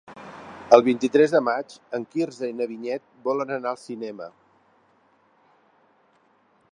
El vint-i-tres de maig en Quirze i na Vinyet volen anar al cinema.